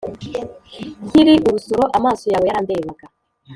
Nkiri urusoro amaso yawe yarandebaga